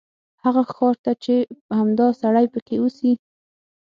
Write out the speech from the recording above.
هغه ښار ته چې همدا سړی پکې اوسي.